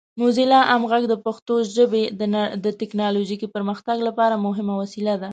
موزیلا عام غږ د پښتو ژبې د ټیکنالوجیکي پرمختګ لپاره مهمه وسیله ده.